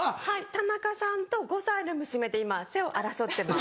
田中さんと５歳の娘で今背を争ってます。